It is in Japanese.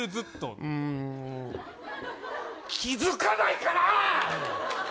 気づかないかな。